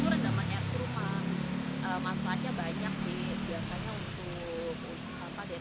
untuk apa yang punya kelebihan asam